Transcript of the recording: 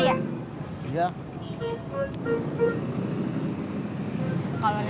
gak perhatian sama suaminya